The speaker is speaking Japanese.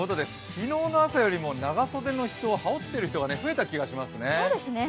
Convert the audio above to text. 昨日の朝よりも長袖の人羽織っている人が増えている気がしますね。